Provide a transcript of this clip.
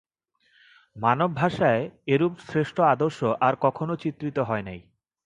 মানবভাষায় এরূপ শ্রেষ্ঠ আদর্শ আর কখনও চিত্রিত হয় নাই।